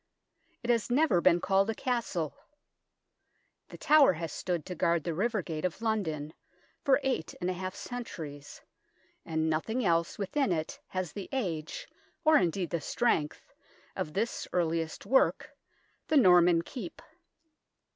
It has never been called a castle. The Tower has stood to guard the river gate of London for eight and a half centuries, and nothing else within it has the age, or indeed the strength, of this earliest work, the Norman Keep.